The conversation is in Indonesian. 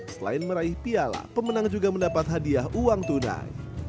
selain meraih piala pemenang juga mendapat hadiah uang tunai